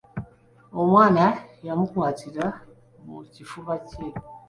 Omwana yamukwatira mu kifuba kye.